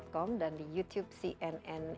kom dan di youtube cnn